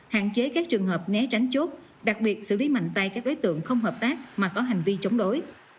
hạn chế các trường hợp né tránh chốt đặc biệt xử lý mạnh tay các đối tượng không hợp tác mà có hành vi chống đối